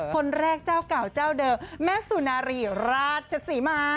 คนแรกเจ้าเก่าเจ้าเดิมแม่สุนารีราชศรีมา